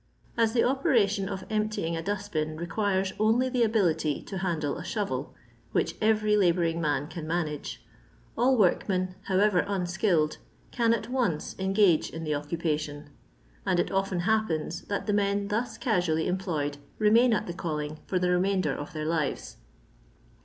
As the operation of emptying a dust bin requires only the ability to handle a shovel, which every labouring man can manage, all work men, however unskilled, can at onoa angage in the occupation; and it often happens t&t the men thus casually employed remain at the calling for the remainder of their lives.